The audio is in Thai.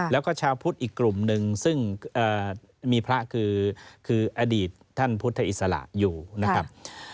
แล้วก็ชาวพุทธอีกกลุ่มหนึ่งซึ่งมีพระคืออดีตท่านพุทธอิสระอยู่นะครับ